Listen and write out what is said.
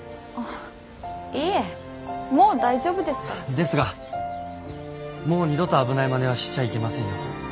ですがもう二度と危ないまねはしちゃいけませんよ。